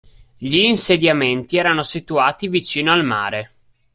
Gli insediamenti erano situati vicino al mare.